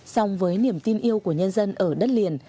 song với niềm tin yêu của nhân dân ở đất liền